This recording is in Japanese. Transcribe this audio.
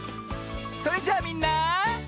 それじゃあみんな。